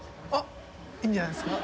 ・いいんじゃないですか。